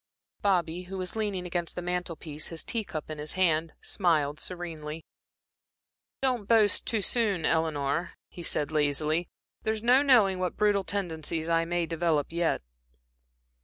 Bobby, who was leaning against the mantel piece his tea cup in his hand, smiled serenely. "Don't boast too soon, Eleanor," he said, lazily, "there's no knowing what brutal tendencies I may develop yet."